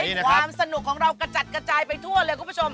เป้าหมายความสนุกของเรากระจัดกระจายไปทั่วเลยครับคุณผู้ชม